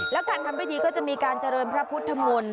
แล้วการทำพิธีก็จะมีการเจริญพระพุทธมนต์